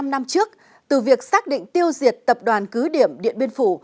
bốn mươi năm năm trước từ việc xác định tiêu diệt tập đoàn cứ điểm điện biên phủ